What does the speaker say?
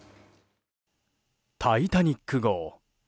「タイタニック号」。